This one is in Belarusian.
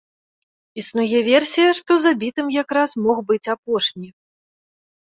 Існуе версія, што забітым якраз мог быць апошні.